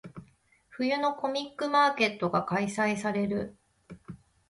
冬のコミックマーケットが開催される。